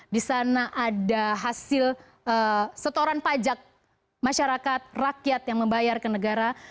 di sana ada hasil setoran pajak masyarakat rakyat yang membayar ke negara